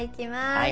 はい。